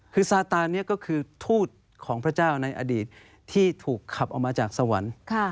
คือซาตานนี้ก็คือทูตของพระเจ้าในอดีตที่ถูกขับออกมาจากสวรรค์